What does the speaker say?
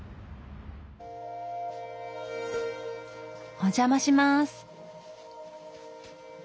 お邪魔します。